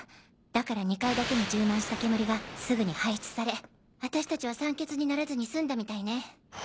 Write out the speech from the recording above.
だから２階だけに充満した煙がすぐに排出され私たちは酸欠にならずに済んだみたいね。